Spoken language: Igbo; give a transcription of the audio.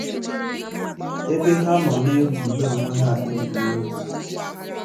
ebe ha nọ na-egwuru onwe ha egwuregwu.